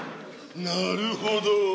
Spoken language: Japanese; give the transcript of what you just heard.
なるほど。